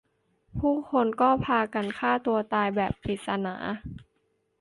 ผู้คนก็พากันฆ่าตัวตายแบบปริศนา